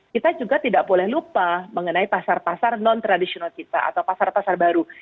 kita juga tidak boleh lupa mengenai pasar pasar non tradisional kita atau pasar pasar baru